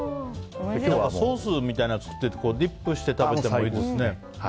ソースみたいなのを作ってディップして食べてもいいですね。